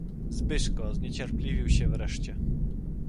"Zbyszko zniecierpliwił się wreszcie."